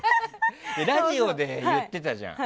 ラジオで言ってたじゃん。